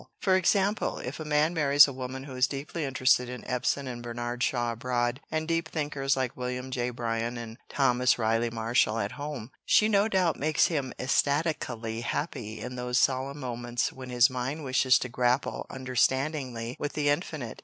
For example, if a man marries a woman who is deeply interested in Ibsen and Bernard Shaw abroad, and deep thinkers like William J. Bryan and Thomas Riley Marshall at home, she no doubt makes him ecstatically happy in those solemn moments when his mind wishes to grapple understandingly with the infinite.